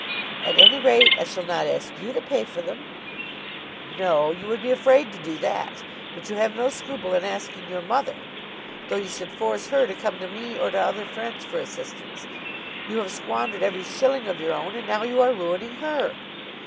"At any rate I shall not ask you to pay for them." "No; you would be afraid to do that. But you have no scruple in asking your mother, though you should force her to come to me or to other friends for assistance. You have squandered every shilling of your own, and now you are ruining her."